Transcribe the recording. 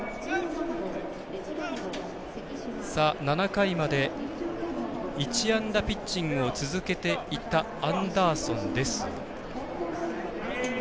７回まで１安打ピッチングを続けていたアンダーソンですが。